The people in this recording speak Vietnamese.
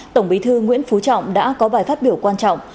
tổng bí thư nguyễn phú trọng đã có bài phát biểu quan trọng